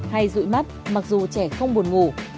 hay rụi mắt mặc dù trẻ không buồn ngủ